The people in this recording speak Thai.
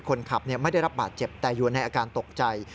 คนขับไม่ได้รับบาดเจ็บแต่อยู่ในอาการตกใจ